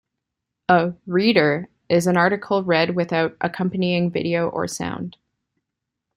A "reader" is an article read without accompanying video or sound.